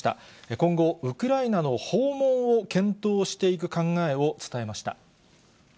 今後、ウクライナの訪問を検討していく考えを伝えました。